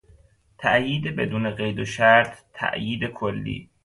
تایید بدون قید و شرط، تایید کلی